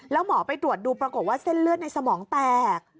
แล้วหมอไปตรวจดูปรากฏว่าเส้นเลือดในสมองแตก